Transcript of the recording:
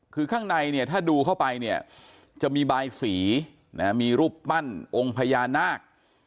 คือข้างในเนี่ยถ้าดูเข้าไปเนี่ยจะมีบายสีมีรูปปั้นองค์พญานาค